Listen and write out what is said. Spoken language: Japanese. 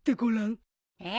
えっ？